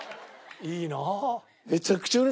いいなあ。